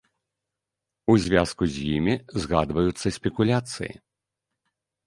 У звязку з імі згадваюцца спекуляцыі.